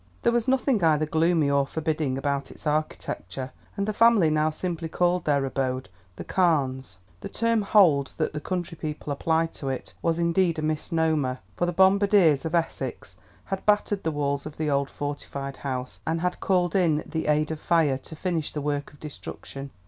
There was nothing either gloomy or forbidding about its architecture, and the family now simply called their abode The Carnes; the term "Hold" that the country people applied to it was indeed a misnomer, for the bombardiers of Essex had battered the walls of the old fortified house, and had called in the aid of fire to finish the work of destruction.